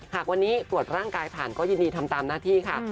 หากวันนี้ตรวจร่างกายผ่านก็ยินดีทำตามหน้าที่ค่ะ